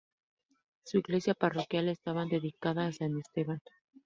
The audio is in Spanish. Su iglesia parroquial estaba dedicada a San Esteban.